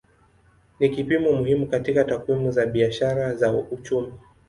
Ni kipimo muhimu katika takwimu za biashara na uchumi.